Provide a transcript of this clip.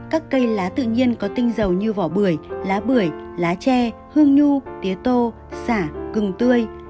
các cây lá tự nhiên có tinh dầu như vỏ bưởi lá bưởi lá tre hương nhu tía tô xả cưng tươi